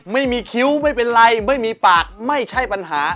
คิ้วไม่เป็นไรไม่มีปากไม่ใช่ปัญหา